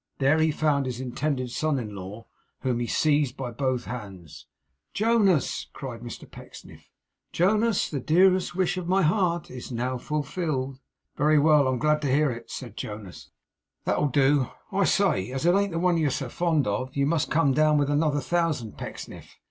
There he found his intended son in law, whom he seized by both hands. 'Jonas!' cried Mr Pecksniff. 'Jonas! the dearest wish of my heart is now fulfilled!' 'Very well; I'm glad to hear it,' said Jonas. 'That'll do. I say! As it ain't the one you're so fond of, you must come down with another thousand, Pecksniff.